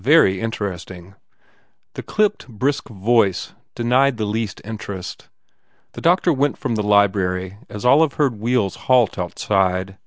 Very interesting." The clipped, brisk voice de nied the least interest. The doctor went from the library as Olive heard wheels halt outside.